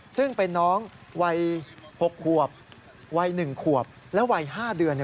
ซึ่งเป็นน้องวัย๖ขวบวัย๑ขวบและวัย๕เดือน